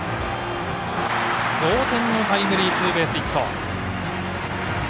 同点のタイムリーツーベースヒット。